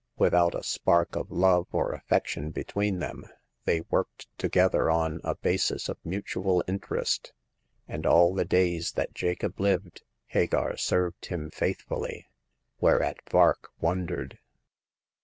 Without a spark of love or af fection between them, they worked together on a basis of mutual interest ; and all the days that Jacob lived Hagar served him faithfully. Where at Vark wondered.